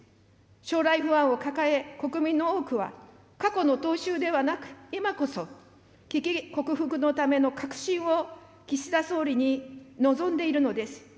将来不安を抱え、国民の多くは過去の踏襲ではなく今こそ、危機克服のための革新を岸田総理に望んでいるのです。